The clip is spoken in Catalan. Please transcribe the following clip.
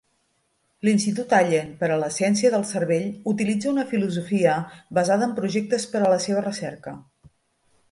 L'Institut Allen per a la Ciència del Cervell utilitza una filosofia basada en projectes per a la seva recerca.